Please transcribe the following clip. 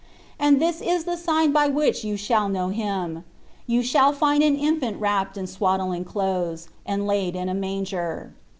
And this is the sign by which you shall know Him : you shall find an infant wrapped in swaddling clothes, and laid in a manger."